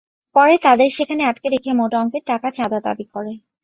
পরে তাঁদের সেখানে আটকে রেখে মোটা অঙ্কের টাকা চাঁদা দাবি করে।